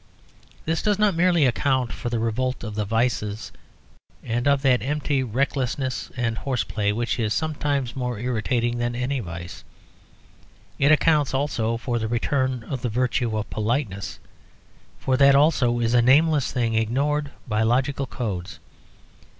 This does not merely account for the revolt of the vices and of that empty recklessness and horseplay which is sometimes more irritating than any vice. It accounts also for the return of the virtue of politeness, for that also is a nameless thing ignored by logical codes.